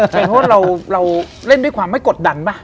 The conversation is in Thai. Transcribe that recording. ใช่โทษเราเล่นด้วยความไม่กดดันป่ะ